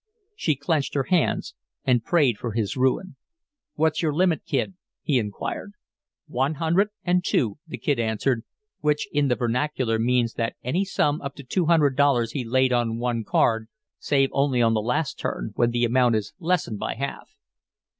She clenched her hands and prayed for his ruin. "What's your limit, Kid?" he inquired. "One hundred, and two," the Kid answered, which in the vernacular means that any sum up to $200 be laid on one card save only on the last turn, when the amount is lessened by half.